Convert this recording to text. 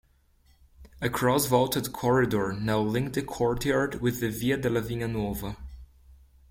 A cross-vaulted corridor now linked the courtyard with the Via della Vigna Nuova.